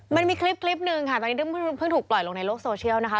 มันมีคลิปหนึ่งค่ะตอนนี้เพิ่งถูกปล่อยลงในโลกโซเชียลนะคะ